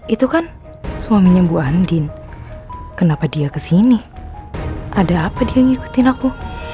itu kan suaminya bu andin kenapa dia kesini ada apa dia ngikutin aku